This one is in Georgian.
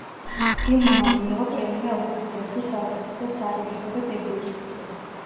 ფილმმა მიიღო პრემია „ოქროს ვერძი“ საუკეთესო სარეჟისორო დებიუტისთვის.